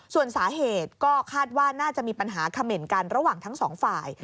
ส่วนสาเหตุก็คาดว่าน่าจะมีปัญหาเขม่นกันระหว่างทั้งสองฝ่าย